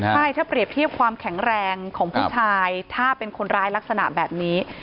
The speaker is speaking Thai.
ใช่ถ้าเปรียบเทียบความแข็งแรงของผู้ชายถ้าเป็นคนร้ายลักษณะแบบนี้